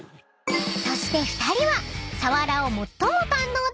［そして２人は］